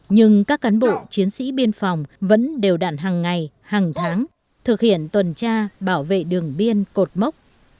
nhưng các cán bộ chiến sĩ biên phòng vẫn đều đạn hàng ngày hàng tháng thực hiện tuần tra bảo vệ đường biên cột mốc